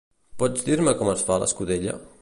Pot dir-me com es fa l'escudella?